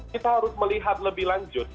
kita harus melihat lebih lanjut